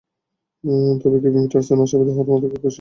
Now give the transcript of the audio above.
তবে Kevin Pietersen আশাবাদী হওয়ার মতো খুব বেশি কিছু শুনছেন না।